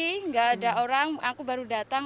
tidak ada orang aku baru datang